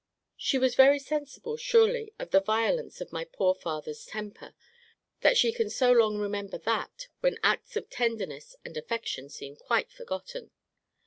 She was very sensible, surely, of the violence of my poor father's temper, that she can so long remember that, when acts of tenderness and affection seem quite forgotten.